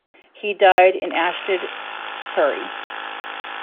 He died in Ashtead, Surrey.